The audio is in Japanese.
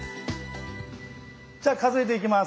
じゃあ数えていきます。